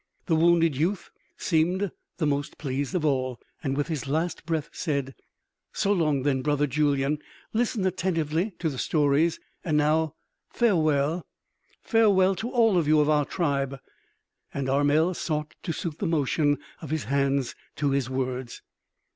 The wounded youth seemed the most pleased of all, and with his last breath said: "So long, then, brother Julyan ... listen attentively ... to the stories.... And now ... farewell ... farewell ... to all of you of our tribe," and Armel sought to suit the motion of his hands to his words.